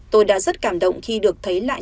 tôi đã rất cảm động khi được thấy lại